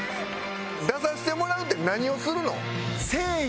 出させてもらうって何をするの？